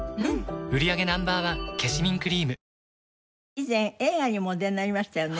以前映画にもお出になりましたよね。